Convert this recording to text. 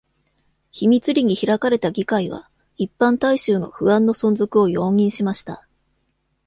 秘密裏に開かれた議会は、一般大衆の不安の存続を容認しました。